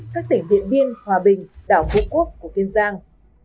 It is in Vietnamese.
các tỉnh viện biên hòa bình đảo vũ quốc của tiên giang